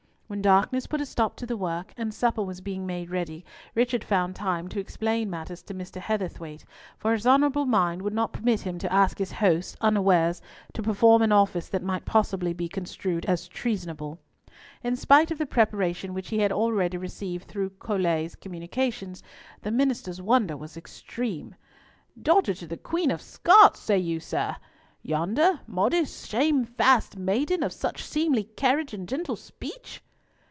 When darkness put a stop to the work and supper was being made ready, Richard found time to explain matters to Mr. Heatherthwayte, for his honourable mind would not permit him to ask his host unawares to perform an office that might possibly be construed as treasonable. In spite of the preparation which he had already received through Colet's communications, the minister's wonder was extreme. "Daughter to the Queen of Scots, say you, sir! Yonder modest, shamefast maiden, of such seemly carriage and gentle speech?"